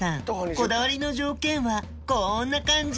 こだわりの条件はこんな感じ！